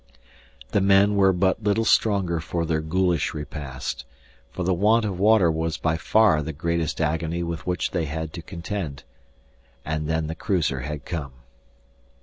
The men were but little stronger for their ghoulish repast, for the want of water was by far the greatest agony with which they had to contend. And then the cruiser had come.